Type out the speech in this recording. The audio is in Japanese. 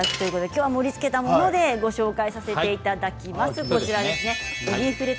きょうは盛りつけたものでご紹介させていただきます。